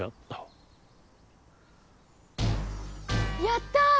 やった！